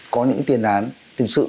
có những tiền án tình sự